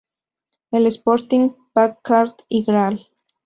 El Sporting Packard y Gral.